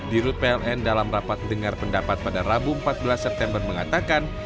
dirut pln dalam rapat dengar pendapat pada rabu empat belas september mengatakan